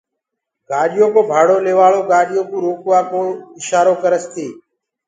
گآڏيو ڪو ڀاڙو ليوآݪو گآڏيو ڪو روڪوآ ڪو اشآرو ڪرس تيٚ